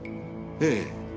ええ。